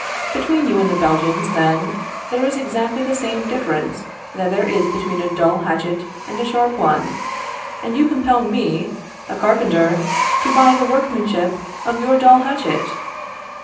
Between you and the Belgians, then, there is exactly the same difference that there is between a dull hatchet and a sharp one. And you compel me, a carpenter, to buy the workmanship of your dull hatchet!